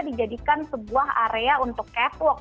dijadikan sebuah area untuk catwalk